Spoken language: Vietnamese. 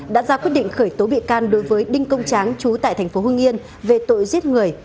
đã ra quyết định khởi tố bị can đối với đinh công tráng chú tại thành phố hưng yên về tội giết người